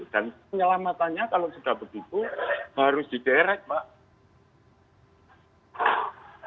dan penyelamatannya kalau sudah begitu harus diderek pak